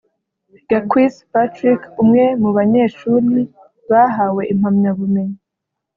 Gakwisi Patrick umwe mu banyeshuli bahawe impamyabumenyi